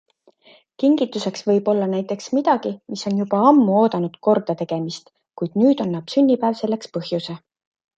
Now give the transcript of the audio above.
Kingituseks võib olla näiteks midagi, mis on juba ammu oodanud korda tegemist, kuid nüüd annab sünnipäev selleks põhjuse.